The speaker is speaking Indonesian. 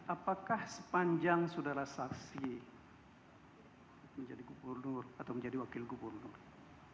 apakah sepanjang saudara saksi menjadi gubernur atau menjadi wakil gubernur